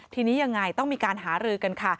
ทีนี้ยังไงต้องมีการหารือกันค่ะ